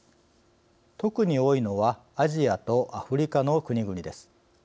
特に多いのはアジアとアフリカの国々です。